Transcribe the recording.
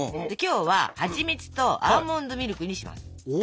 今日ははちみつとアーモンドミルクにします。